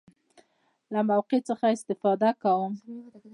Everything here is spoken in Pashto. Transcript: له موقع څخه استفاده کوم.